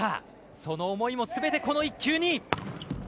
その思いも、全てこの一球に。